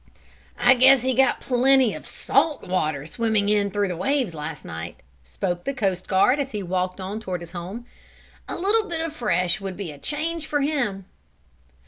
"I guess he got plenty of salt water, swimming in through the waves last night," spoke the coast guard, as he walked on toward his home. "A little bit of fresh would be a change for him."